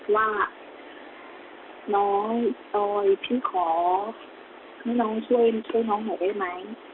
ว่าน้องตอยพี่ขอให้น้องช่วยน้องหนูได้ไหม